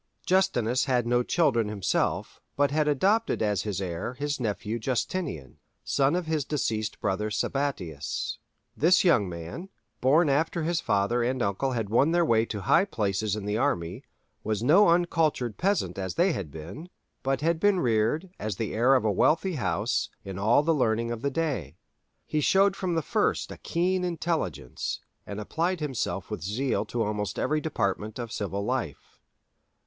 Justinus had no children himself, but had adopted as his heir his nephew Justinian, son of his deceased brother Sabatius. This young man, born after his father and uncle had won their way to high places in the army, was no uncultured peasant as they had been, but had been reared, as the heir of a wealthy house, in all the learning of the day. He showed from the first a keen intelligence, and applied himself with zeal to almost every department of civil life.